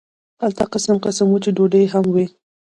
هلته قسم قسم وچې ډوډۍ هم وې.